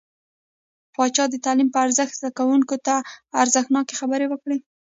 پاچا د تعليم په ارزښت، زده کوونکو ته ارزښتناکې خبرې وکړې .